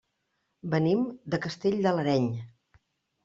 Venim de Castell de l'Areny.